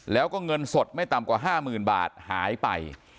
แล้วก็เงินสดไม่ต่ำกว่า๕๐๐๐บาทหายไป